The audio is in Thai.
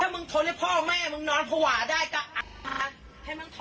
ถ้ามึงทนให้พ่อแม่มึงนอนภาวะได้ก็ให้มันถอนเสาบ้าน